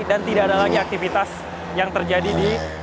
dan tidak ada lagi aktivitas yang terjadi di